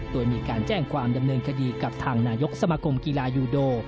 โดยมีการแจ้งความดำเนินคดีกับทางนายกสมาคมกีฬายูโด